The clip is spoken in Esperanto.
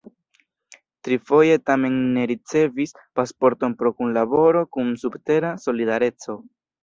Trifoje tamen ne ricevis pasporton pro kunlaboro kun subtera "Solidareco".